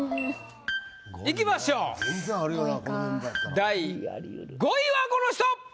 第５位はこの人！